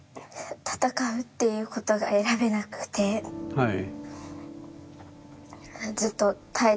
はい。